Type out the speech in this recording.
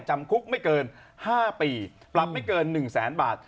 จำคุกไม่เกิน๕ปีปรับไม่เกิน๑แสนบาท